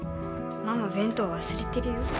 ママ弁当忘れてるよ。